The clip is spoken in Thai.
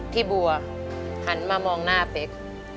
ที่บัวหันมามองหน้าเป๊ก